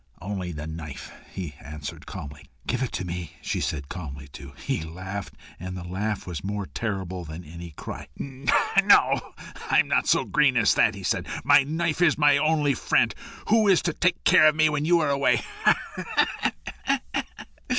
"Only the knife," he answered calmly. "Give it to me," she said, calmly too. He laughed, and the laugh was more terrible than any cry. "No; I'm not so green as that," he said. "My knife is my only friend! Who is to take care of me when you are away?